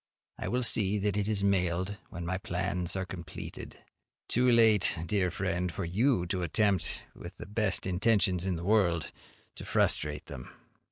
I will see that it is mailed when my plans are completed. Too late, dear friend, for you to attempt, with the best intentions in the world, to frustrate them.